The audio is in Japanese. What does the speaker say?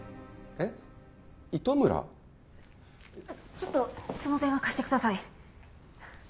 ちょっとその電話貸してください。